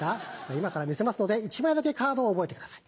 今から見せますので１枚だけカードを覚えてください。